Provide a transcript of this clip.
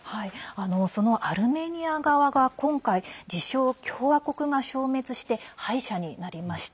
そのアルメニア側が今回、自称共和国が消滅して敗者になりました。